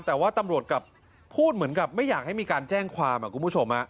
แต่ว่าตำรวจกลับพูดเหมือนกับไม่อยากให้มีการแจ้งความคุณผู้ชม